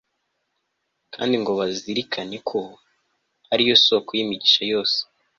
kandi ngo bazirikane ko ari yo soko yimigisha yose